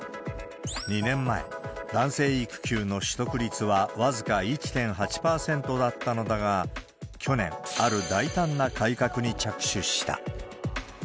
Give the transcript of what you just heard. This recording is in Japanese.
２年前、男性育休の取得率は僅か１．８％だったのだが、去年、ある大胆な改革に着手した。